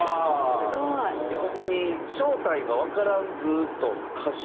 すごい！ホンマに正体がわからんずっと歌手って。